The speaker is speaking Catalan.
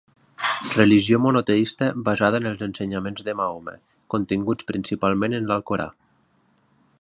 Religió monoteista basada en els ensenyaments de Mahoma, continguts principalment en l'Alcorà.